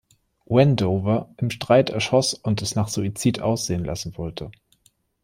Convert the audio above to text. Wendover im Streit erschoss und es nach Suizid aussehen lassen wollte.